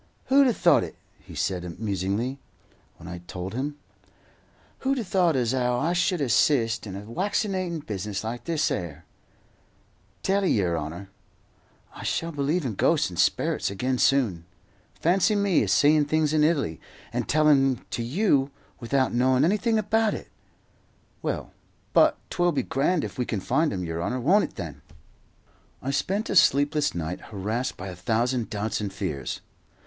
"Who'd 'a thought it?" he said musingly, when I had told him. "Who'd 'a thought as 'ow I should hassist in a waccinatin' business like this 'ere! Tell 'ee, yer 'onour, I shall believe in ghosts and sperrits again soon. Fancy me a seein' things in Italy and tellin' 'em to you without knowin' anything about it! Well, but 'twill be grand if we can find 'im, yer honour, won't it then?" I spent a sleepless night, harassed by a thousand doubts and fears.